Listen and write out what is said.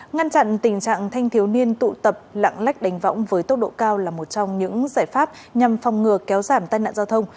ngăn chặn tình trạng thanh thiếu niên tụ tập lạng lách đánh võng với tốc độ cao là một trong những giải pháp nhằm phòng ngừa kéo giảm tai nạn giao thông